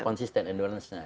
konsisten endurance nya